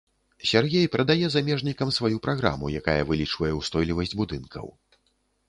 Сяргей прадае замежнікам сваю праграму, якая вылічвае ўстойлівасць будынкаў.